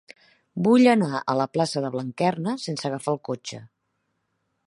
Vull anar a la plaça de Blanquerna sense agafar el cotxe.